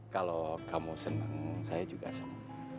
kalau kamu senang saya juga senang